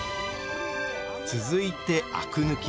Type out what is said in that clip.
続いてあく抜き。